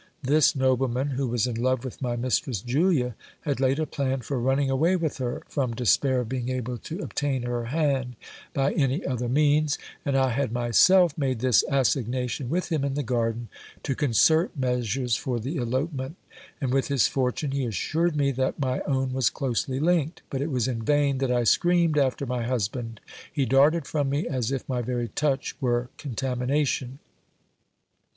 This nobleman, who was in love with my mistress Julia, had laid a pian for running away with her, from despair of being able to obtain her hand by any other means ; and I had myself made this assignation with him in the garden, to concert measures for the elopement, and with his fortune he assured me that my own was closely linked ; but it was in vain that I screamed after my husband ; he darted from me as if my very touch were contamination.